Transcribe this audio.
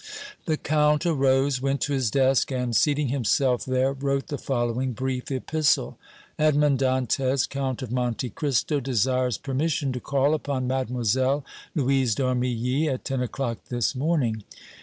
The Count arose, went to his desk and, seating himself there, wrote the following brief epistle: "Edmond Dantès, Count of Monte Cristo, desires permission to call upon Mlle. Louise d' Armilly at ten o'clock this morning.